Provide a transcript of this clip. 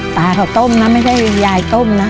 ตาเขาต้มนะไม่ใช่ยายต้มนะ